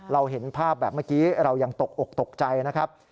เราเห็นภาพแบบเมื่อกี้เรายังตกอกตกใจนะครับ